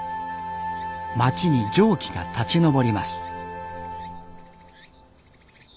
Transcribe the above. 町に蒸気が立ち上ります。